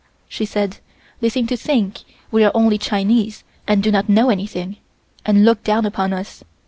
She said: "They seem to think we are only Chinese and do not know anything, and look down upon us.